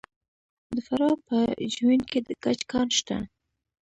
د فراه په جوین کې د ګچ کان شته.